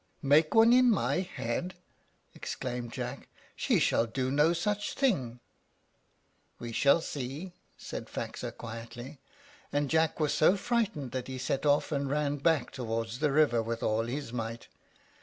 "Make one in my head!" exclaimed Jack. "She shall do no such thing." "We shall see," said Faxa, quietly. And Jack was so frightened that he set off, and ran back towards the river with all his might.